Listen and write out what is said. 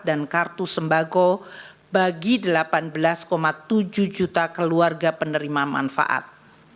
dan kartu sembako bagi delapan belas tujuh juta keluarga penerima manfaat